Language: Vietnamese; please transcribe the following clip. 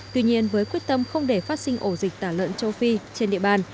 tuy nhiên với quyết tâm không để phát sinh ổ dịch tả lợn châu phi trên địa bàn